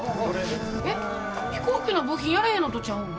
えっ飛行機の部品やらへんのとちゃうの？